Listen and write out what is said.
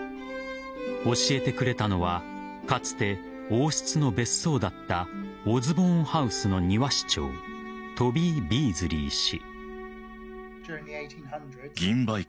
教えてくれたのはかつて王室の別荘だったオズボーンハウスの庭師長トビー・ビーズリー氏。